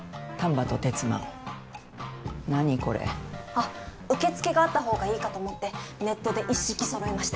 あっ受付があったほうがいいかと思ってネットで一式そろえました。